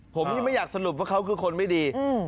ผมยังไม่อยากสรุปว่าเขาคือคนไม่ดี